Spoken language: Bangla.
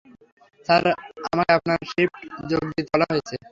স্যার, আমাকে আপনার শিফট যোগ দিতে বলা হয়েছে।